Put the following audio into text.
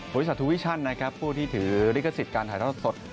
โรยีสัตวิชั่นผู้ที่ถือลิขสิทธิ์การถ่ายทอดสด